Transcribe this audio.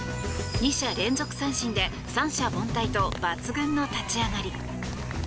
２者連続三振で三者凡退と抜群の立ち上がり。